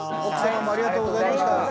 奥様もありがとうございました。